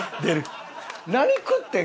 何食ってん？